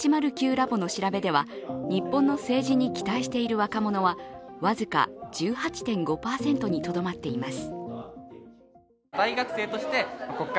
ｌａｂ．の調べでは日本の政治に期待している若者は僅か１８．５％にとどまっています。